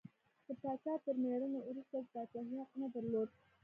د پاچا تر مړینې وروسته د پاچاهۍ حق نه درلود.